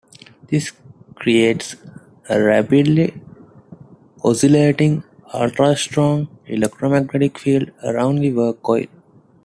This creates a rapidly oscillating, ultrastrong electromagnetic field around the work coil.